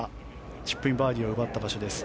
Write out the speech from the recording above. チップインバーディーを奪った場所です。